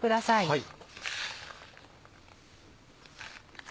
はい。